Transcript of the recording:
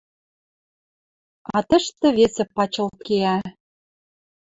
А тӹштӹ весӹ пачылт кеӓ.